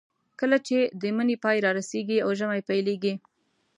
کله چې د مني پای رارسېږي او ژمی پیلېږي.